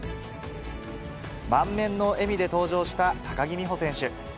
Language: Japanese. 満面の笑みで登場した高木美帆選手。